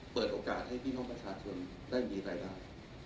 เปิดโอกาสให้พี่น้องประชาชนได้มีรายได้